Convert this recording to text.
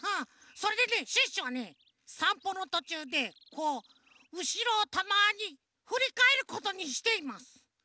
それでねシュッシュはねさんぽのとちゅうでこううしろをたまにふりかえることにしています。